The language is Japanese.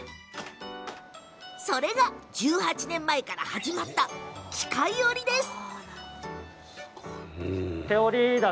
それが１８年前から始まった機械織りです。